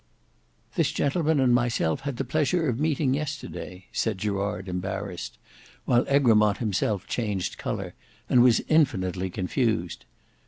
"This gentleman and myself had the pleasure of meeting yesterday," said Gerard embarrassed, while Egremont himself changed colour and was infinitely confused.